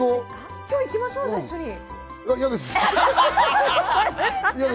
今日行きましょう、一緒に。